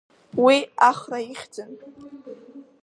Уи Ахра ихьӡын.